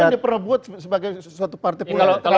apa yang pernah buat sebagai suatu partai pula